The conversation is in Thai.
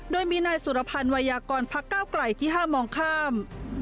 โดยมีนายสุรพันธ์วัยยากรพักเก้าไกลที่ห้ามมองข้าม